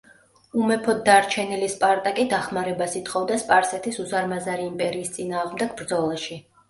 უმეფოდ დარჩენილი სპარტა კი დახმარებას ითხოვდა სპარსეთის უზარმაზარი იმპერიის წინააღმდეგ ბრძოლაში.